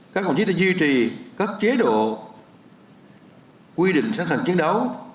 các công chức đã duy trì các chế độ quy định sẵn sàng chiến đấu